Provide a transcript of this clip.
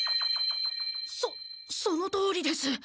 そそのとおりです！